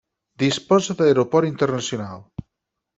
Disposa d'aeroport internacional.